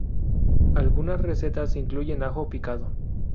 Algunas recetas incluyen ajo picado.